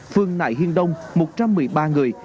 phương nại hiên đông một trăm một mươi ba người